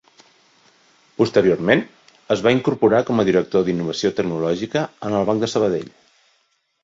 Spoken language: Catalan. Posteriorment, es va incorporar com a director d'Innovació Tecnològica en el Banc Sabadell.